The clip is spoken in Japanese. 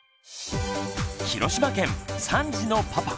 広島県３児のパパ